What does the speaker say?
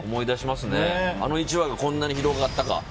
あの１話がこんなに広がったかと。